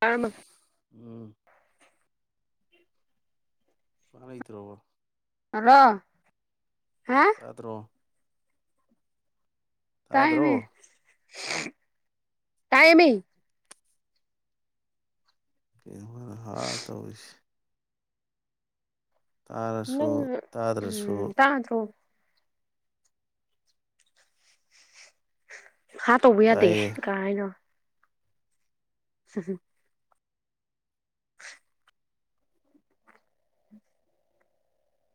ꯀꯔ ꯎꯝ ꯀꯔꯥꯏꯇ꯭ꯔꯣꯕꯣ ꯑ ꯀꯥꯇ꯭ꯔꯣ ꯇꯥꯏꯃꯦ ꯇꯥꯗ꯭ꯔꯣ ꯇꯥꯏꯃꯤ ꯏ ꯃꯔ ꯍꯥ ꯇꯁ ꯅꯪ ꯇꯥꯔꯁꯨ ꯎꯝ ꯇꯥꯗ꯭ꯔꯁꯨ ꯇꯥ ꯊ꯭ꯔꯣ ꯍꯥ ꯇꯧꯕ ꯌꯥꯗꯦ ꯇꯥꯏꯌꯦ ꯀꯥꯏꯅꯣ ꯁ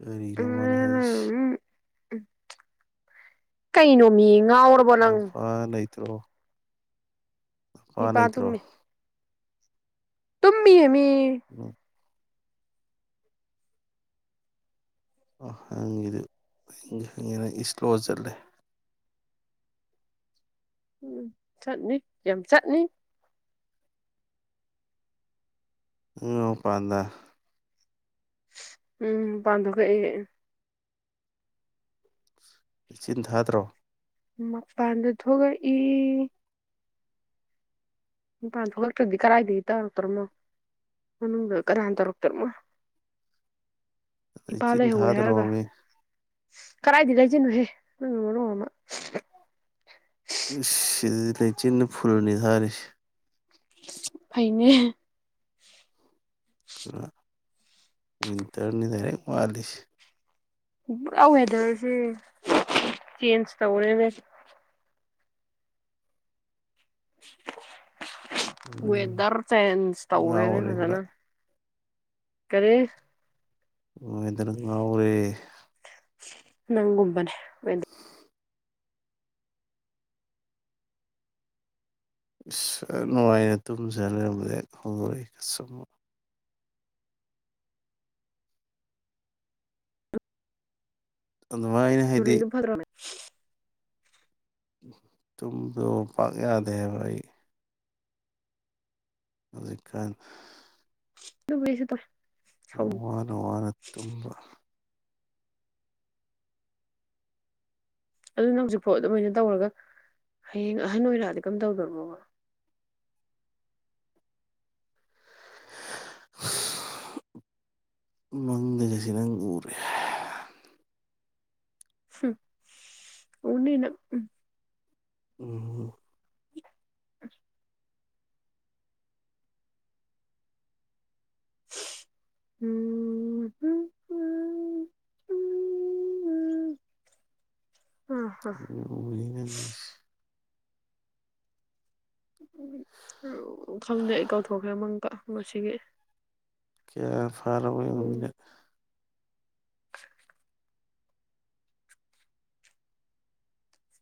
ꯑꯔꯤ ꯔꯃꯅ ꯍꯏꯁ ꯎꯝ ꯀꯩꯅꯣ ꯃꯤꯌꯦꯡ ꯅ ꯐꯥ ꯅ ꯇ꯭ꯔꯣ ꯑꯄꯥ ꯏꯄꯥ ꯅꯩꯇ꯭ꯔꯣ ꯇꯨꯝꯃꯤꯃꯤ ꯎꯝ ꯑ ꯍꯪꯉꯤꯗꯨꯪꯉꯤ ꯅꯪ ꯏꯁꯂꯣ ꯆꯠꯂꯦ ꯎꯝ ꯆꯠꯅꯤ ꯀꯦꯝ ꯆꯠꯅꯤ ꯎ ꯄꯥꯟꯗ ꯎꯝ ꯄꯥꯟꯊꯣꯛ ꯀꯩꯑ ꯏꯆꯤꯟ ꯊꯥꯗ꯭ꯔꯣ ꯃꯄꯥꯟꯗ ꯊꯣꯛꯒ ꯏ ꯄꯥꯟ ꯊꯣꯛꯂꯛꯇ꯭ꯔꯗꯤ ꯀꯗꯥꯥꯏꯗꯒꯤ ꯇꯧꯔꯛꯇꯣꯏꯣꯅꯣ ꯃꯅꯨꯡꯗ ꯀꯅꯥ ꯇꯧꯔꯛꯇ꯭ꯔꯅꯣ ꯆꯤꯟ ꯊꯥꯗ ꯔꯣ ꯃꯤ ꯀꯗꯥꯥꯏꯗꯤ ꯂꯩꯁꯤꯅꯨꯍꯦ ꯅ ꯃꯔꯣꯡ ꯑꯃ ꯁꯤ ꯂꯩꯆꯤꯟꯅ ꯐꯨꯂꯅꯤ ꯁꯥꯔꯤꯁꯤ ꯐꯩꯅꯦ ꯑꯗꯨ ꯋꯤꯟꯇꯔꯅꯤ ꯗꯥꯏꯔꯦꯛ ꯃꯥꯠꯂꯤꯁꯤ ꯋꯦꯗꯔꯁꯦ ꯆꯦꯟꯖ ꯇꯧꯔꯦꯅꯦ [inaudible] ꯎꯝ ꯋꯗꯔ ꯆꯦꯟꯖ ꯇꯧꯒꯦꯅꯦ ꯉꯥꯎꯔꯦ ꯄꯨꯔꯥ ꯐꯖꯅ ꯀꯔꯦ ꯑꯣꯔꯦ ꯅꯪꯒꯨꯝꯕꯅꯦ ꯏꯁ ꯅꯨꯡꯉꯥꯏꯅ ꯇꯨꯝꯖꯔ ꯑꯗꯨꯃꯥꯏ ꯑꯩꯅ ꯍꯥꯏꯗꯤ ꯋꯦꯗꯔꯗꯨ ꯐꯠꯇ꯭ꯔꯕꯅꯦ ꯇꯨꯝꯗ ꯄꯥꯛ ꯌꯥꯗꯦ ꯍꯥꯏꯕ ꯑꯩ ꯑꯗꯨꯖꯤ ꯈꯥꯟ ꯇ ꯀꯩꯁꯤꯗ ꯋꯥꯔ ꯋꯥꯔ ꯇꯝꯕ ꯑꯗꯨꯅ ꯍꯧꯖꯤꯛꯐꯥꯎ ꯑꯗꯨꯃꯥꯏꯅ ꯇꯧꯔꯒ ꯍꯌꯦꯡ ꯑꯍꯟ ꯑꯣꯏꯔꯛꯑꯗꯤ ꯀꯝ ꯇꯧꯗꯣꯏꯅꯣꯕ ꯃꯪꯗꯒꯁꯤ ꯅꯪ ꯎꯔꯦ ꯍꯝ ꯎꯅꯤ ꯅꯪ ꯎꯝ ꯎꯝ ꯍꯝ ꯑꯝ [unintelligible] ꯈꯪꯗ꯭ꯔꯦ ꯑꯩ ꯀꯥꯎꯊꯣꯛꯈ꯭ꯔꯦ ꯑꯃꯪꯀ ꯉꯁꯤꯒꯤ ꯎꯝ [unintelligible]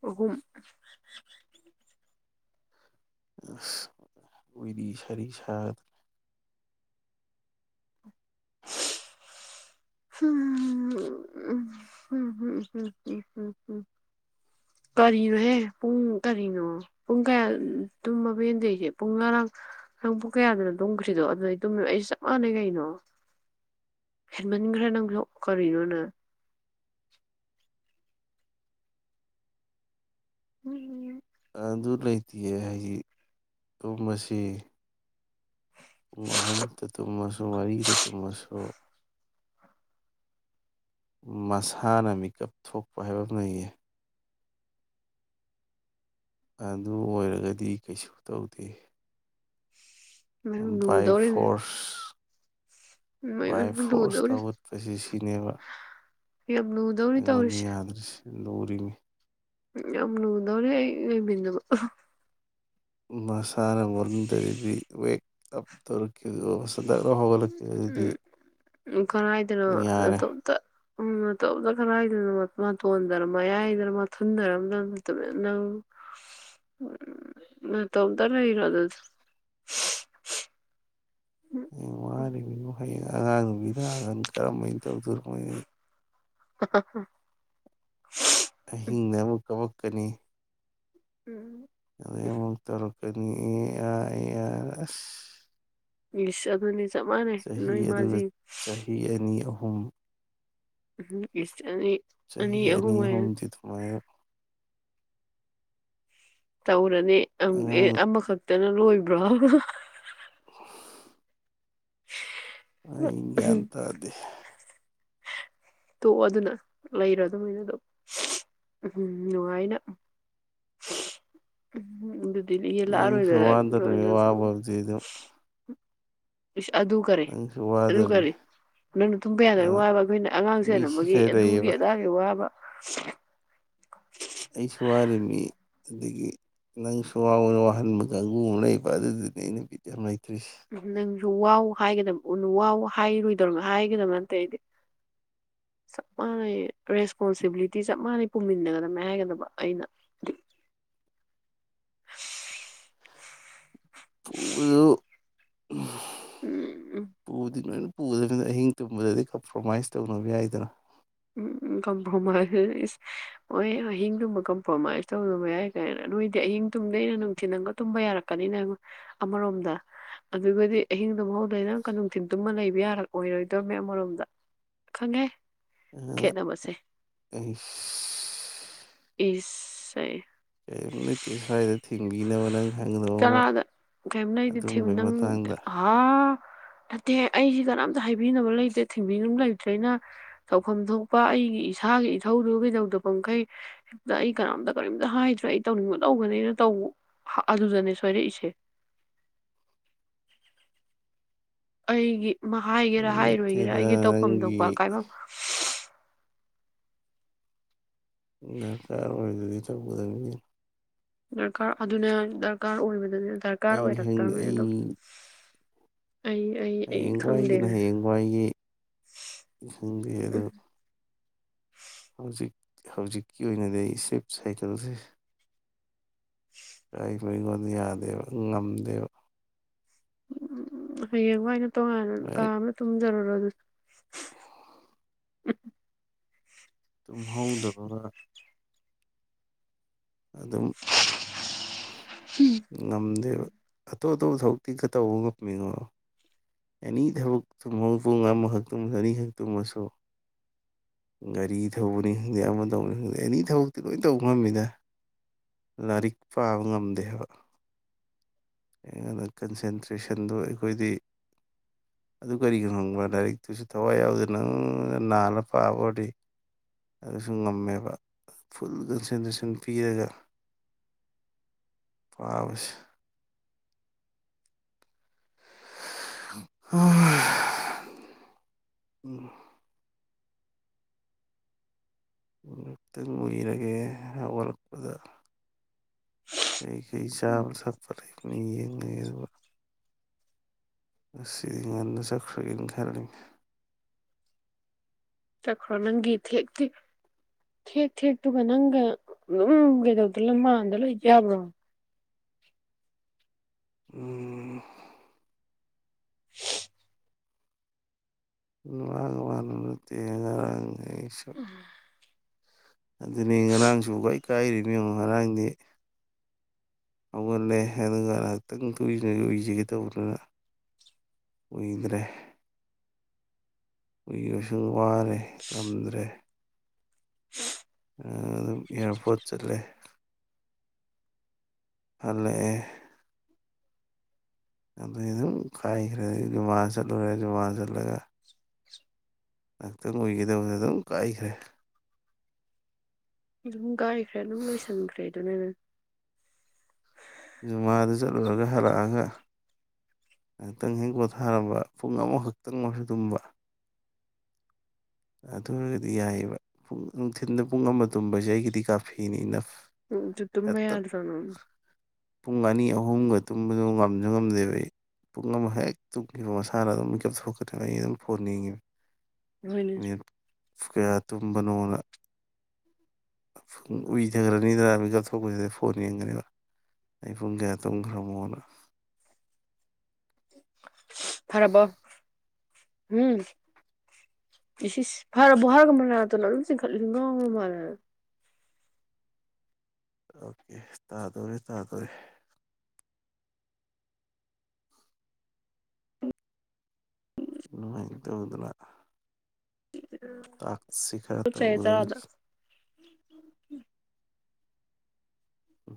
ꯑꯍꯨꯝ ꯎꯢꯔꯤ ꯁꯔꯤ ꯁꯥꯠ ꯎꯝ ꯎꯝ ꯎꯝ ꯎꯝ ꯎꯝꯝꯝ ꯎꯝ ꯎꯝ ꯎꯝ ꯀꯔꯤꯅꯣꯍꯦ ꯄꯨꯡ ꯀꯔꯤꯅꯣ ꯄꯨꯡ ꯀꯌꯥ ꯇꯨꯝꯃꯕ ꯅꯪ ꯄꯨꯡ ꯉꯔꯥꯡ ꯅꯥꯡ ꯄꯨꯡ ꯀꯌꯥꯗꯅ ꯇꯨꯝꯈ꯭ꯁꯤꯗꯣ ꯑꯗꯨꯗꯩ ꯇꯨꯝꯃꯦ ꯑꯩꯁꯨꯦ ꯆꯞ ꯃꯥꯟꯅꯩ ꯀꯩꯅꯣ ꯍꯦꯟꯃꯟꯈ꯭ꯔꯦ ꯅꯪꯁꯨ ꯀꯔꯤꯅꯣꯅ ꯎꯝꯝ ꯑꯗꯨ ꯂꯩꯇꯦ ꯍꯥꯏꯗꯤ ꯇꯨꯝꯕꯁꯤ ꯄꯨꯡ ꯑꯍꯨꯝꯗ ꯇꯨꯝꯃꯁꯨ ꯃꯔꯤꯗ ꯇꯨꯝꯃꯁꯨ ꯃꯁꯥꯅ ꯃꯤꯀꯞ ꯊꯣꯛꯄ ꯍꯥꯏꯕ ꯑꯃ ꯂꯩꯌꯦ ꯑꯗꯨ ꯑꯣꯏꯔꯒꯗꯤ ꯀꯩꯁꯨ ꯇꯧꯗꯦ [inaudible] ꯕꯥꯏ ꯂꯨꯗꯧꯔꯤꯅꯦ ꯐꯣꯔꯁ ꯕꯥꯏ ꯃꯌꯥꯝ ꯐꯣꯔꯁ ꯂꯨꯗꯧꯔꯤ ꯍꯧꯒꯠꯄꯁꯤ ꯁꯤꯅꯦꯕ ꯌꯥꯝ ꯂꯨꯗꯧꯔꯤ ꯑꯩꯉꯣꯟꯗ ꯇꯧꯔꯤꯁꯦ ꯌꯥꯗ꯭ꯔꯤꯁꯦ ꯂꯨꯔꯤꯅꯤ ꯎꯝ ꯌꯥꯝ ꯂꯨꯗꯧꯔꯤ ꯑꯩ ꯂꯩꯃꯤꯟꯅꯕ ꯁ [unintelligible] [unintelligible] ꯗꯛ ꯂꯥꯎ ꯍꯒꯠꯂꯛꯀꯦ ꯑꯗꯨꯗꯤ ꯀꯔꯥꯏꯗꯅꯣ ꯌꯥꯔꯦ ꯅꯇꯣꯝꯇ ꯎꯝ ꯅꯇꯣꯝꯇ ꯀꯔꯥꯢꯗꯅꯣ ꯃꯇꯣꯟꯗꯔ ꯌꯥꯏꯗꯔ ꯊꯨꯟꯗꯔꯅ ꯅꯝꯇꯨꯃꯤꯟ ꯅꯝ ꯎꯝ ꯅꯇꯣꯝꯇ ꯂꯩꯔꯣ ꯑꯗꯨ ꯎꯝ [unintelligible] ꯍꯌꯦꯡ ꯑꯉꯥꯡ ꯅꯨꯕꯤ ꯂꯥꯛꯑꯒ ꯂꯥꯛꯑꯒ ꯀꯔꯝꯃꯦ ꯇꯧꯗꯨꯔꯃꯩ [unintelligible] ꯑꯍꯤꯡꯗ ꯑꯃꯛ ꯀꯄꯛ ꯀꯅꯤ ꯑꯗꯨꯗꯩ ꯑꯃꯨꯛ ꯇꯧꯔ ꯀꯅꯤ ꯑꯥꯏ ꯑꯥꯁ ꯢꯁ ꯑꯗꯨꯅꯤ ꯆꯞ ꯃꯥꯟꯅꯩ ꯅꯣꯏ ꯃꯥꯁꯤ ꯍꯨꯝ ꯎꯝ ꯆꯍꯤ ꯑꯅꯤ ꯑꯍꯨꯝꯗꯤ ꯑꯗꯨꯃꯥꯢꯅ ꯇꯧꯕ ꯑꯉꯥꯡ ꯑꯃꯈꯛ ꯇꯅ ꯂꯣꯏꯕ꯭ꯔꯣ ꯑꯩ ꯒ꯭ꯌꯥꯟ ꯇꯥꯗꯦ ꯇꯣꯛꯑꯣ ꯑꯗꯨꯅ ꯂꯩꯔꯣ ꯑꯗꯨꯃꯥꯏꯅ ꯑꯗꯨꯝ ꯎꯝꯝ ꯅꯨꯡꯉꯥꯏꯅ ꯎꯝ [unintelligible] ꯅꯪꯁꯨ ꯂꯥꯛꯑꯔꯣꯢꯗꯏ ꯋꯥꯗꯣꯔꯤꯃꯤ ꯑꯣꯏꯗꯔꯅꯁꯨ ꯋꯥꯕꯕꯨꯗꯤ ꯑꯗꯨꯝ ꯑꯗꯨ ꯀꯔꯦ ꯅꯪꯁꯨ ꯑꯗꯨ ꯋꯥꯗꯣꯔꯤꯃꯤ ꯀꯔꯦ ꯅꯪꯅ ꯇꯨꯝꯕ ꯌꯥꯗꯕꯒꯤ ꯑꯗꯨꯅ ꯋꯥꯕ ꯑꯩꯈꯣꯏꯅ ꯃꯤ ꯑꯉꯥꯡ ꯁꯤ ꯑꯃꯒꯤ ꯈꯔ ꯑꯗꯨꯒꯤ ꯂꯩꯌꯦꯕ ꯑꯗꯥꯒꯤ ꯋꯥꯕ [inaudible] ꯑꯩꯁꯨ ꯋꯥꯔꯤꯃꯤ ꯑꯗꯒꯤ ꯅꯪꯁꯨ ꯋꯥꯎꯅ ꯋꯥꯍꯟꯕ ꯀꯥꯡꯕꯨ ꯀꯥꯡꯕꯨ ꯑꯃ ꯂꯩꯩꯕ ꯑꯗꯨꯗꯨꯅꯤ ꯑꯩ ꯅꯨꯄꯤꯗ ꯑꯝ ꯎꯝ ꯅꯪ ꯋꯥꯎ ꯍꯥꯏꯒꯗꯕ ꯎ ꯋꯥꯎ ꯍꯥꯏꯔꯣꯏꯗꯕ ꯍꯥꯏꯒꯗꯕ ꯅꯠꯇꯦ ꯑꯩꯗꯤ ꯆꯞ ꯃꯥꯟꯅꯩ ꯔꯦꯁꯄꯣꯟꯁꯤꯕꯤꯂꯤꯇꯤ ꯆꯞ ꯃꯥꯟꯅꯩ ꯄꯨꯃꯤꯟꯅꯒꯗꯕꯅꯤ ꯍꯥꯏꯒꯗꯕ ꯑꯩꯅ [unintelligible] ꯎꯝ ꯄꯨꯗꯤꯅ ꯄꯨꯗꯕꯅꯤꯅ ꯑꯍꯤꯡ ꯇꯨꯝꯕꯗꯗꯤ ꯀꯝꯄ꯭ꯔꯣꯃꯥꯏꯁ ꯇꯧꯅꯕ ꯌꯥꯏꯗꯅ ꯎꯝ ꯀꯝꯄ꯭ꯔꯣꯃꯥꯏꯁ ꯍꯣꯏ ꯑꯍꯤꯡꯗꯨꯨꯝꯕ ꯀꯝꯄ꯭ꯔꯣꯃꯥꯏꯁ ꯇꯧꯗꯕ ꯌꯥꯏ ꯀꯥꯏꯅ ꯅꯣꯏꯗꯤ ꯑꯍꯤꯡ ꯇꯨꯝꯗꯩꯅ ꯅꯨꯡꯊꯤꯟꯜ ꯑꯃꯒ ꯇꯨꯝꯕ ꯌꯥꯔꯛꯀꯅꯤꯅ ꯑꯃꯔꯣꯝꯗ ꯑꯗꯨꯒꯗꯤ ꯑꯍꯤꯡ ꯇꯨꯝꯍꯧꯗꯣꯏꯅ ꯑꯃꯨꯛꯀ ꯅꯨꯡꯊꯤꯟ ꯇꯨꯝꯃ ꯂꯩꯕ ꯌꯥꯔꯑꯣꯏꯔꯣꯏꯗꯕꯅꯦ ꯑꯃꯔꯣꯝꯗ ꯈꯪꯉꯦ ꯈꯦꯠꯅꯕꯁꯦ ꯑꯩꯁ ꯏꯁ ꯑꯌꯦ [unintelligible] ꯅꯪ ꯍꯪꯒꯗꯧꯕ ꯑꯃ ꯆꯔꯥꯗ ꯀꯩꯝ ꯂꯩ ꯑꯩꯗꯤ ꯊꯦꯝ ꯑꯗꯨꯝꯕꯩ ꯅꯪ ꯃꯇꯥꯡꯗ ꯍꯥ ꯅꯠꯇꯦ ꯑꯩꯁꯤ ꯀꯅꯥꯝꯇ ꯍꯥꯏꯕꯤꯅꯕ ꯂꯩꯇꯦ ꯊꯤꯡꯕꯤꯅꯕ ꯂꯩꯇ꯭ꯔꯦꯅ ꯇꯧꯐꯝ ꯊꯣꯛꯄ ꯑꯩꯒꯤ ꯏꯁꯥꯒꯤ ꯏꯊꯧꯗꯨ ꯀꯩꯗꯧꯗ ꯄꯈꯩ ꯍꯦꯛꯇ ꯑꯩ ꯀꯅꯥꯝꯇ ꯀꯔꯤꯝꯇ ꯍꯥꯏꯗ꯭ꯔꯦ ꯑꯩ ꯇꯧꯅꯤꯡꯕ ꯇꯧꯒꯅꯦꯅ ꯇꯧꯕ ꯑꯗꯨꯗꯅꯦ ꯁꯣꯏꯔꯛꯏꯁꯦ ꯑꯩꯒꯤ ꯍꯥꯏꯒꯦꯔꯥ ꯍꯥꯏꯔꯣꯏꯒꯦꯔꯥ ꯅꯠꯇꯦꯗ ꯑꯩꯒꯤ ꯇꯧꯐꯝ ꯊꯣꯛꯄ ꯅꯪꯒꯤ ꯀꯥꯏꯐꯝ ꯗꯔꯀꯥꯔ ꯑꯣꯢꯕꯗꯨꯗꯤ ꯇꯧꯒꯗꯕꯅꯤ ꯀꯩꯅꯣ ꯗꯔꯀꯥꯔ ꯑꯗꯨꯅ ꯗꯔꯀꯥꯔ ꯑꯣꯏꯕꯗꯨꯅꯦ ꯗꯔꯀꯥꯔ ꯑꯩ ꯈꯪꯗꯦ ꯑꯣꯏꯔꯛꯇꯅꯦ ꯑꯗꯨꯝ ꯑꯩ ꯑꯩ ꯑꯩ ꯑꯩ ꯈꯪꯗꯦ ꯍꯌꯦꯡꯋꯥꯏꯒꯤꯅ ꯍꯌꯦꯡꯋꯥꯏꯒꯤ ꯈꯪꯗꯦ ꯎꯝ ꯑꯗꯨ ꯍꯧꯖꯤꯛ ꯍꯧꯖꯤꯛꯀꯤ ꯑꯣꯏꯅꯗꯤ ꯑꯩ ꯏꯁꯂꯤꯞ ꯁꯥꯏꯀꯜꯁꯦ ꯀꯥꯏꯕ ꯑꯩꯉꯣꯟꯗ ꯌꯥꯗꯦꯕ ꯉꯝꯗꯦꯕ ꯎꯝ ꯍꯌꯦꯡ ꯋꯥꯥꯏꯅ ꯇꯉꯥꯟꯅ ꯀꯥ ꯍꯦꯛ ꯑꯝꯃ ꯇꯨꯝꯖꯔꯣ ꯑꯗꯨ ꯎꯝ ꯇꯨꯝ ꯍꯧꯗꯕꯒ ꯑꯗꯨꯝ ꯉꯝꯗꯦꯕ ꯑꯇꯣꯞ ꯑꯇꯣꯞꯄ ꯊꯕꯛꯇꯤ ꯈꯥ ꯇꯧꯕ ꯍ ꯉꯝꯃꯦꯉꯑꯣ ꯑꯦꯅꯤ ꯊꯕꯛ ꯊꯨꯝꯍ ꯄꯨꯡ ꯑꯃꯈꯛꯃꯁꯨ ꯑꯅꯤꯈꯛꯇꯨꯡꯃꯁꯨ ꯒꯥꯔꯤ ꯊꯧꯕꯅꯤ ꯈꯪꯗꯦ ꯑꯃ ꯇꯧꯕꯅꯤ ꯈꯪꯗꯦ ꯑꯦꯅꯤ ꯊꯕꯛꯇꯤ ꯂꯣꯏ ꯇꯧꯕ ꯉꯝꯃꯤꯗ ꯂꯥꯏꯔꯤꯛ ꯄꯥꯕ ꯉꯝꯗꯦꯕ ꯑꯩꯅ ꯀꯟꯁꯦꯟꯇ꯭ꯔꯦꯁꯟꯗꯣ ꯑꯩꯈꯣꯏꯗꯤ ꯑꯗꯨ ꯀꯔꯤꯒꯤꯅꯣ ꯈꯪꯕ ꯂꯥꯏꯔꯤꯛꯇꯨꯁꯨ ꯊꯋꯥꯏ ꯌꯥꯎꯗꯅ ꯅꯪ ꯅꯥꯜꯂ ꯄꯥꯕ ꯑꯣꯏꯔꯗꯤ ꯑꯗꯨꯁꯨ ꯉꯝꯃꯦꯕ ꯐꯨꯜ ꯀꯟꯁꯦꯟꯇ꯭ꯔꯦꯁꯟ ꯄꯤꯔꯒ ꯄꯥꯕꯁꯦ ꯑꯣ ꯎꯝ ꯉꯥꯛꯇꯪ ꯎꯏꯔꯒꯦ ꯍꯧꯒꯠꯂꯛꯄꯗ ꯀꯩꯀꯩ ꯆꯥꯕ ꯊꯛꯄ ꯂꯩꯕꯅ ꯌꯦꯡꯉꯦ ꯑꯗꯨꯒ ꯉꯁꯤ ꯉꯟꯅ ꯆꯠꯈꯔꯒꯦ ꯈꯦꯅꯤ ꯆꯠꯈ꯭ꯔꯣ ꯅꯪꯒꯤ ꯊꯦꯛ ꯊꯦꯛ ꯊꯦꯛ ꯊꯦꯛꯇꯨꯒ ꯅꯪꯒ ꯑꯗꯨꯝ ꯀꯩꯗꯧꯗꯅ ꯃꯥꯟꯗ ꯂꯣꯏ ꯌꯥꯕ꯭ꯔꯣ ꯎꯝ ꯋꯥꯅꯅꯠꯇ ꯉꯔꯥꯡ ꯂꯩꯁꯨ ꯑꯗꯨꯅꯤ ꯉꯔꯥꯡꯁꯨ ꯀꯥꯏ ꯀꯥꯏꯔꯤ ꯌꯦꯡꯉꯣ ꯉꯔꯥꯡꯗꯤ ꯍꯧꯒꯠꯂꯦ ꯑꯗꯨꯒ ꯉꯥꯏꯍꯥꯛꯇꯪ ꯀꯨꯏ ꯎꯏꯖꯒꯦ ꯇꯧꯕꯗꯨꯅ ꯎꯏꯗ꯭ꯔꯦ ꯎꯏꯕꯁꯨ ꯋꯥꯔꯦ ꯉꯝꯗ꯭ꯔꯦ ꯑꯗꯨꯝ ꯏꯌꯥꯔꯄꯣꯔꯠ ꯆꯠꯂꯦ ꯍꯜꯂꯑꯦ ꯑꯗꯨꯝ ꯀꯥꯏꯈ꯭ꯔꯦ ꯃꯥ ꯆꯠꯂꯨꯔꯦ ꯃꯥ ꯆꯠꯂꯒ [unintelligible] ꯉꯥꯏꯍꯥꯛꯇꯪ ꯎꯏꯒꯗꯕꯗ ꯑꯗꯨꯝ ꯀꯥꯏꯈ꯭ꯔꯦ ꯑꯗꯨꯝ ꯀꯥꯏꯈ꯭ꯔꯦ ꯑꯗꯨꯝ ꯂꯣꯏꯁꯟꯈ꯭ꯔꯦ ꯑꯗꯨꯅꯤꯅꯦ ꯖꯨꯃꯥꯗꯨ ꯆꯠꯂꯨꯔꯒ ꯍꯜꯂꯛꯑꯒ ꯉꯍꯥꯛꯇꯪ ꯍꯦꯛ ꯄꯣꯊꯥꯔꯝꯕ ꯄꯨꯡ ꯑꯃꯈꯛꯇꯪ ꯑꯣꯏꯔꯁꯨ ꯇꯨꯝꯕ ꯑꯗꯨ ꯑꯣꯏꯔꯒꯗꯤ ꯌꯥꯏꯑꯕ ꯄ ꯅꯨꯡꯊꯤꯟꯗ ꯄꯨꯡ ꯑꯃ ꯇꯨꯝꯕꯁꯦ ꯑꯩꯒꯤꯗꯤ ꯀꯥꯐꯤꯅꯤ ꯏꯅꯞ ꯎ ꯑꯗꯨ ꯇꯨꯝꯕ ꯌꯥꯗꯨ꯭ꯔꯣ ꯅ ꯄꯨꯡ ꯑꯅꯤ ꯑꯍꯨꯝꯒ ꯇꯨꯝꯕꯗꯨ ꯉꯝꯁꯨ ꯉꯝꯗꯦꯕ ꯑꯩ ꯄꯨꯡ ꯑꯃꯛ ꯍꯦꯛ ꯇꯨꯝꯈꯤꯕ ꯃꯁꯥꯅ ꯑꯗꯨꯝ ꯃꯤꯀꯞ ꯊꯣꯛꯀ꯭ꯔꯕ ꯑꯩ ꯑꯗꯨꯝ ꯐꯣꯟ ꯌꯦꯉꯤꯕ ꯅꯣꯏ ꯅꯤꯁꯨ ꯀꯌꯥ ꯇꯨꯝꯕꯅꯣꯅ ꯄꯨꯡ ꯎꯏꯊꯔꯅꯤꯗꯅ ꯃꯤꯀꯞ ꯊꯣꯛꯄꯁꯤꯗ ꯐꯣꯟ ꯌꯦꯡꯒꯅꯦꯕ ꯑꯩ ꯄꯨꯡ ꯀꯌꯥ ꯇꯨꯝꯈ꯭ꯔꯃꯣꯅ ꯐꯔꯕꯣ ꯎꯝ ꯏꯁ ꯏꯁ ꯐꯔꯕꯣ ꯍꯔꯒ ꯃꯅꯥꯇꯣꯟ ꯑꯗꯨꯝ ꯆꯤꯡꯈꯠꯂꯤ ꯉꯥꯎꯔ ꯃꯥ ꯂꯦ ꯑꯣꯀꯦ ꯇꯥꯗꯣꯔꯦ ꯇꯥꯗꯣꯔꯦ ꯅꯨꯉꯥꯏꯅ ꯇꯨꯝꯃꯨꯗꯅ ꯇꯥꯛꯁꯤ ꯈꯔ ꯈꯨꯠ ꯆꯩꯌꯦ ꯆꯔꯥꯗ ꯇꯧꯗꯧꯔꯤ ꯎ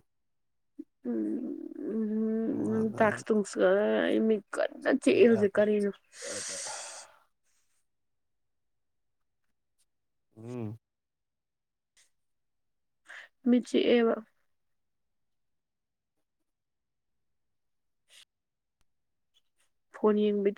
ꯎꯝ ꯎꯝ ꯅꯪ ꯇꯥꯛꯁ ꯇꯨꯁ ꯈꯔꯦ [unintelligible] [unintelligible] ꯀꯅ ꯆꯁ ꯀꯣ ꯅꯣꯡꯉꯥꯜꯂꯛꯑꯒ ꯎꯝ ꯃꯤꯆꯤ ꯑꯣꯏ ꯐꯣꯟ ꯌꯦꯡꯕꯤꯠꯇ